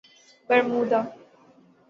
Bermuda